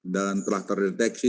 dan telah terdeteksi